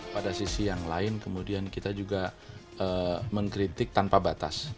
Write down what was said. pada sisi yang lain kemudian kita juga mengkritik tanpa batas